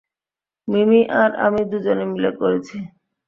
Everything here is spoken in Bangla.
মিমি আর আমি দুজনে মিলে করেছি।